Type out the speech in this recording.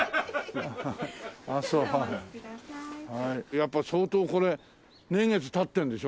やっぱ相当これ年月経ってるんでしょ？